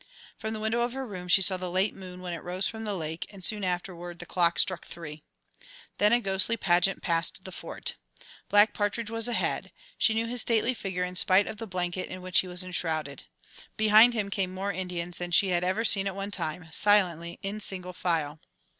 From the window of her room she saw the late moon when it rose from the lake, and soon afterward the clock struck three. Then a ghostly pageant passed the Fort. Black Partridge was ahead she knew his stately figure in spite of the blanket in which he was enshrouded. Behind him came more Indians than she had ever seen at one time, silently, in single file.